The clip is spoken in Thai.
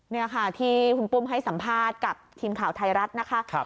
นี่ค่ะที่คุณปุ้มให้สัมภาษณ์กับทีมข่าวไทยรัฐนะคะ